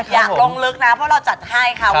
อยากลงลึกนะเพราะเราจัดให้ค่ะ